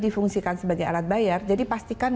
difungsikan sebagai alat bayar jadi pastikan